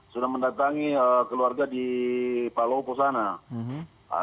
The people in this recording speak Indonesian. sudah mendatangi keluarga di palau posana